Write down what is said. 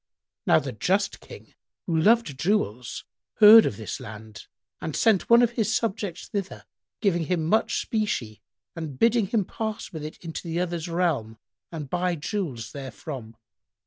Now the just King, who loved jewels, heard of this land and sent one of his subjects thither, giving him much specie and bidding him pass with it into the other's realm and buy jewels therefrom.